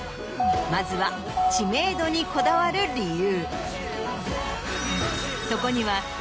まずは知名度にこだわる理由。